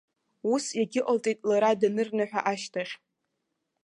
Ус иагьыҟалҵеит лара данырныҳәа ашьҭахь.